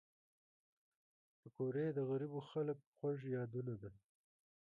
پکورې د غریبو خلک خوږ یادونه ده